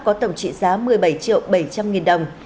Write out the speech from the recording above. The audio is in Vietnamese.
có tổng trị giá một mươi bảy triệu bảy trăm linh nghìn đồng